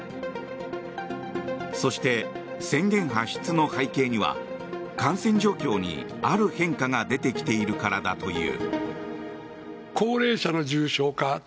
そして宣言発出の背景には感染状況にある変化が出てきているからだという。